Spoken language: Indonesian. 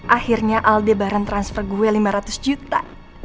akhirnya aldebaran transfer gue lima ratus juta